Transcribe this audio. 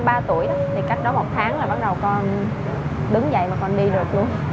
tầm gần tới sinh nhật của con ba tuổi cách đó một tháng là bắt đầu con đứng dậy và con đi được luôn